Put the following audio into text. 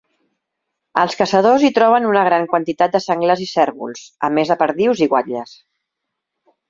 Els caçadors hi troben una gran quantitat de senglars i cérvols, a més de perdius i guatlles.